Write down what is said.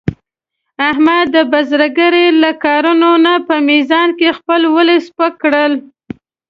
احمد د بزرګرۍ له کارونو نه په میزان کې خپل ولي سپک کړل.